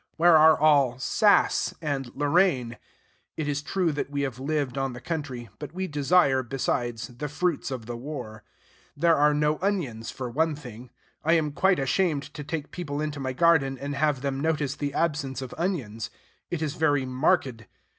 Where are all "sass" and Lorraine? It is true that we have lived on the country; but we desire, besides, the fruits of the war. There are no onions, for one thing. I am quite ashamed to take people into my garden, and have them notice the absence of onions. It is very marked.